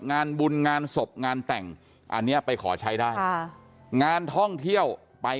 งานบุญงานศพงานแต่งอันเนี้ยไปขอใช้ได้ค่ะงานท่องเที่ยวไป